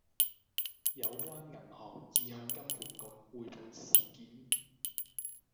有關銀行已向金管局匯報事件